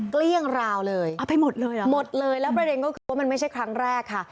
เกลี้ยงราวเลยหมดเลยแล้วประเด็นก็คือมันไม่ใช่ครั้งแรกค่ะ